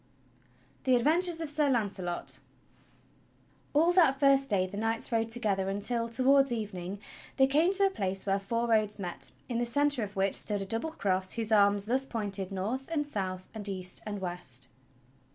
THE ADVENTURES OF SIR K\UNCELOT All that first day the knights rode together until, towards eve ning, they came to a place where four roads met, in the centre of which stood a double cross whose arms thus pointed north and south and east and west.